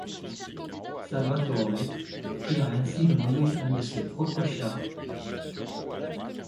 Salvatore, qui a ainsi nommé un de ses propres chats.